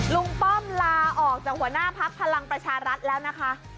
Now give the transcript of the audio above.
ป้อมลาออกจากหัวหน้าพักพลังประชารัฐแล้วนะคะ